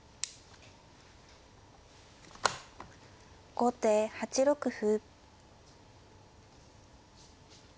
後手８六歩。